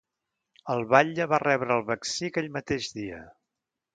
El batlle va rebre el vaccí aquell mateix dia.